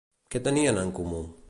Què tenien en comú?